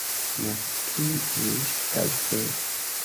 Naskiĝis gazeto.